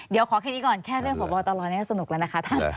เดี๋ยวขอแค่นี้ก่อนแค่เรื่องพบตรนี้สนุกแล้วนะคะท่าน